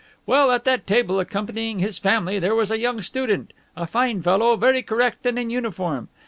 Well, at that table, accompanying his family, there was a young student, a fine fellow, very correct, and in uniform.